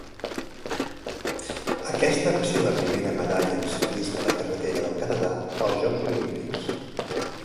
Aquesta va ser la primera medalla en ciclisme de carretera del Canadà als Jocs Olímpics.